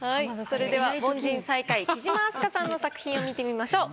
それでは凡人最下位貴島明日香さんの作品を見てみましょう。